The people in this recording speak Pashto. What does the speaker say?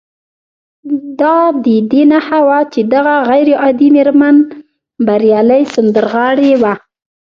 دا د دې نښه وه چې دغه غير عادي مېرمن بريالۍ سندرغاړې وه